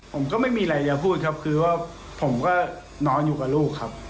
ผมก็ไม่มีอะไรจะพูดครับคือว่าผมก็นอนอยู่กับลูกครับ